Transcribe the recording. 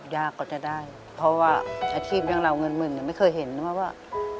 ยากก็จะได้เพราะว่าอาทิตย์อย่างเราเงินหมื่นเนี่ยไม่เคยเห็นนะว่า